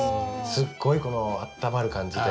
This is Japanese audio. すっごいあったまる感じで。